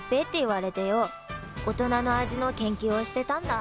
大人の味の研究をしてたんだ。